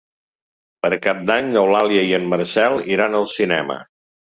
Per Cap d'Any n'Eulàlia i en Marcel iran al cinema.